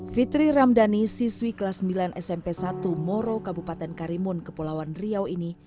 fitri ramdhani siswi kelas sembilan smp satu moro kabupaten karimun kepulauan riau ini